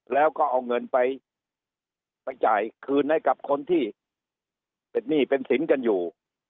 แล้วก็เอาเงินไปไปจ่ายคืนให้กับคนที่เป็นหนี้เป็นสินกันอยู่